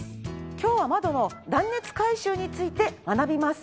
今日は窓の断熱改修について学びます。